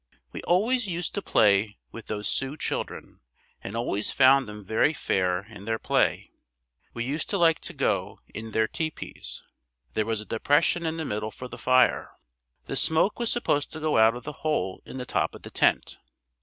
We always used to play with those Sioux children and always found them very fair in their play. We used to like to go in their tepees. There was a depression in the middle for the fire. The smoke was supposed to go out of the hole in the top of the tent.